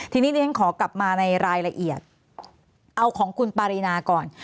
ทีนี้เรียนขอกลับมาในรายละเอียดเอาของคุณปารีนาก่อน